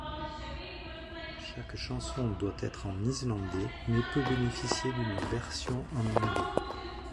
Chaque chanson doit être en islandais mais peut bénéficier d'une version en anglais.